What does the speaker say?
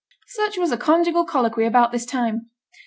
Such was a conjugal colloquy about this time.